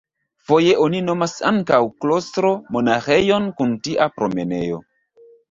Foje oni nomas ankaŭ "klostro" monaĥejon kun tia promenejo.